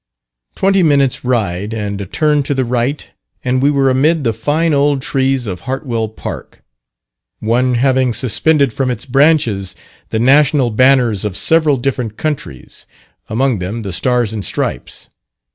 Twenty minutes' ride, and a turn to the right, and we were amid the fine old trees of Hartwell Park; one having suspended from its branches, the national banners of several different countries; among them, the "Stars and Stripes.